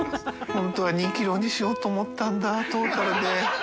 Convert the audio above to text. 榲筿２ｋｇにしようと思ったんだトータルで。